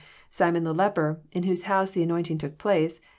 Simon the leper, in whose house the anointing took place.